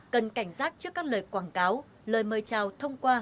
cần cảnh giác trước các lời quảng cáo lời mời chào thông qua